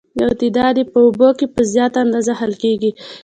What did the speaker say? یو تعداد یې په اوبو کې په زیاته اندازه حل کیږي.